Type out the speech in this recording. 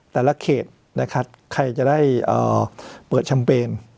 แต่ละเขตนะครับใครจะได้เปิดแชมเปญ